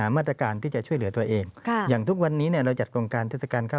ไม่ผ่านใครมาขายได้บ้างคะ